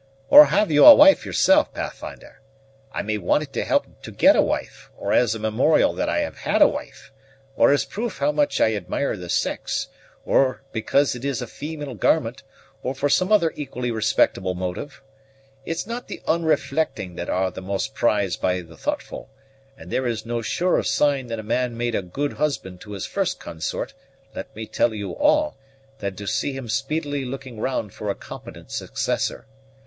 Or have you a wife yoursel', Pathfinder? I may want it to help to get a wife, or as a memorial that I have had a wife, or as proof how much I admire the sex, or because it is a female garment, or for some other equally respectable motive. It's not the unreflecting that are the most prized by the thoughtful, and there is no surer sign that a man made a good husband to his first consort, let me tell you all, than to see him speedily looking round for a competent successor.